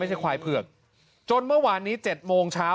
ไม่ใช่ควายเผือกจนเมื่อวานนี้เจ็ดโมงเช้า